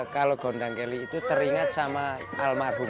kalau gondang kelly itu teringat sama almarhum